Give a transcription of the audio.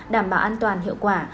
đảm bảo an toàn hiệu quả